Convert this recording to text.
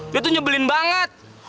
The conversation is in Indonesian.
dia tuh nyebelin banget